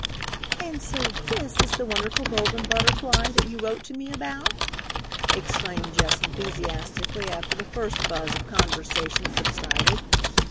"And so this is the wonderful Golden Butterfly that you wrote to me about?" exclaimed Jess enthusiastically after the first buzz of conversation subsided.